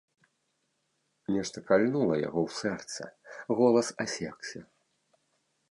Нешта кальнула яго ў сэрца, голас асекся.